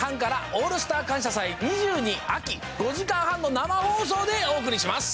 オールスター感謝祭２２秋」５時間半の生放送でお送りします。